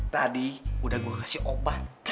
tadi udah gue kasih obat